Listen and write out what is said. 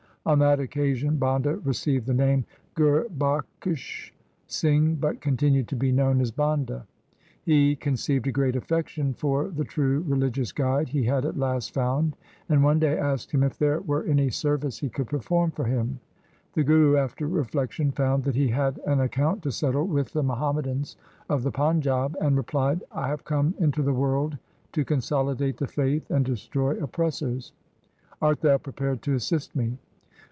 On that occasion Banda received the name Gurbakhsh Singh, but continued to be known as Banda. He conceived a great affection for the true religious guide he had at last found, and one day asked him if there were any service he could perform for him. The Guru after reflection found that he had an account to settle with the Muhammadans of the Panjab, and replied, ' I have come into the world to consolidate the faith and destroy oppressors. Art thou prepared to assist me